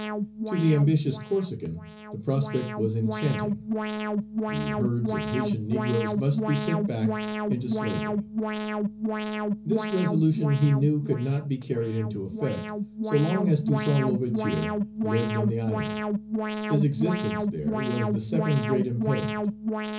To the ambitious Corsican the prospect was enchanting. The herds of Haytian negroes must be sent back into slavery. This resolution he knew could not be carried into effect so long as Toussaint L'Ouverture lived on the island. His existence there was the second great impediment.